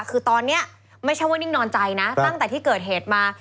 คือตอนนี้ไม่ใช่ว่านิ่งนอนใจนะตั้งแต่ที่เกิดเหตุมา